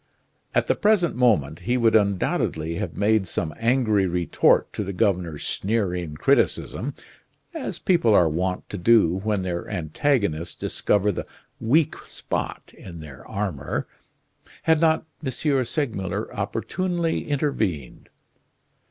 At the present moment he would undoubtedly have made some angry retort to the governor's sneering criticism, as people are wont to do when their antagonists discover the weak spot in their armor, had not M. Segmuller opportunely intervened.